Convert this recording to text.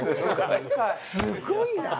すごいな。